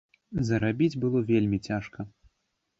Зарабіць было вельмі цяжка.